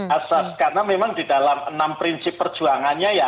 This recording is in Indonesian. asas karena memang di dalam enam prinsip perjuangannya ya